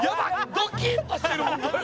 ドキッとしてるもん。